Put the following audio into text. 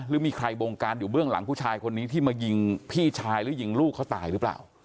หรือมีใครบงการอยู่เบื้องหลังผู้ชายคนนี้ที่มายิงพี่ชายหรือยิงลูกเขาตายหรือเปล่า